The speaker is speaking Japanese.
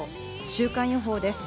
週間予報です。